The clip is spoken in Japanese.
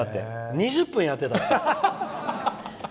２０分やってたって。